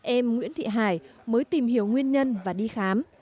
em nguyễn thị hải mới tìm hiểu nguyên nhân và đi khám